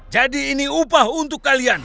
ini upah untuk kalian